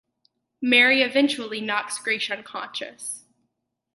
Mary eventually knocks Grace unconscious.